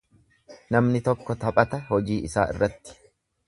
Namni tokko taphata hojii isaa irratti.